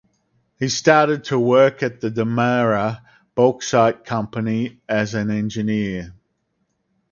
He started to work at the Demerara Bauxite Company as an engineer.